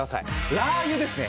ラー油ですね。